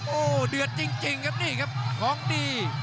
โอ้โหเดือดจริงครับนี่ครับของดี